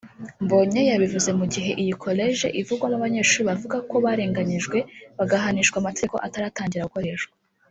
Mbonye yabivuze mu gihe iyi Koleji ivugwamo abanyeshuri bavuga ko barenganyijwe bagahanishwa amategeko ataratangira gukoreshwa